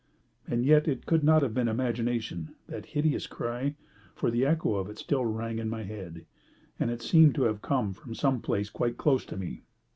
And yet it could not have been imagination, that hideous cry, for the echo of it still rang in my head, and it seemed to have come from some place quite close to me.